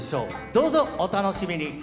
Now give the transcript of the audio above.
どうぞお楽しみに。